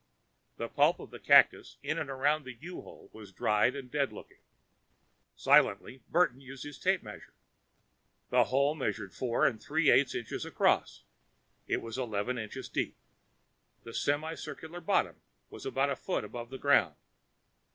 The pulp of the cactus in and around the U hole was dried and dead looking. Silently Burton used his tape measure. The hole measured four and three eighths inches across. It was eleven inches deep. The semicircular bottom was about a foot above the ground.